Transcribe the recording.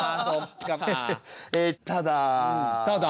ただ。